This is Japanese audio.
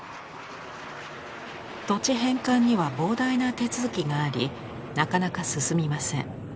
土地返還には膨大な手続きがありなかなか進みません。